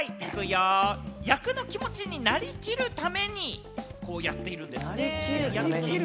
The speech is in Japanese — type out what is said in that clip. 役の気持ちになりきるために、こうやっているんですね。